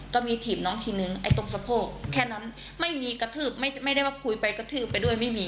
ก็มีถิ่มน้องทีนึงไอ้ตรงสะโพกแค่นั้นไม่ได้ว่าพุยไปกระทืบไปด้วยไม่มี